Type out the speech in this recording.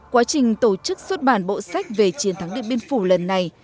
quá trình tổ chức xuất bản bộ sách về chiến thắng điện biên phủ lần này